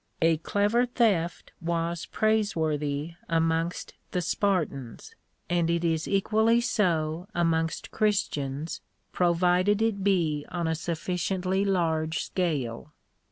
A clever theft was praiseworthy amongst the Spartans ; and it is equally so amongst Christians, provided it be on a sufficiently large scale.